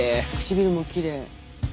唇もきれい。